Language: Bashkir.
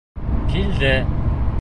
Килде!..